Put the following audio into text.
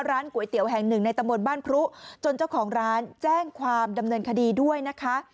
ร้านก๋วยเตี๋ยวแห่งหนึ่งในตะมนต์บ้านพรุจนเจ้าของร้านแจ้งความดำเนินคดีด้วยนะคะ